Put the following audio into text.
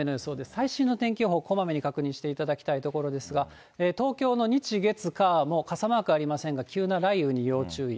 最新の天気予報、こまめに確認していただきたいところですが、東京の日、月、火も傘マークありませんが、急な雷雨に要注意。